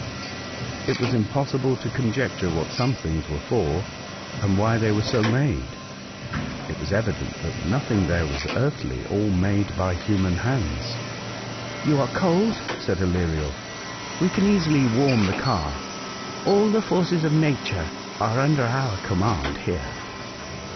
It was impossible to conjecture what some things were for, and why they were so made. It was evident that nothing there was earthly, or made by human hands. "You are cold," said Aleriel. ''We can easily warm the car. All the forces of nature are under our command here."